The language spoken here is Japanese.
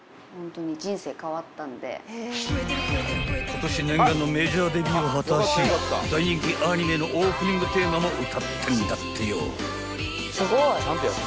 ［今年念願のメジャーデビューを果たし大人気アニメのオープニングテーマも歌ってんだってよ］